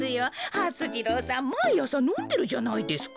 はす次郎さんまいあさのんでるじゃないですか。